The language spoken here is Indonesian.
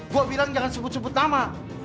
gue bilang jangan sebut sebut nama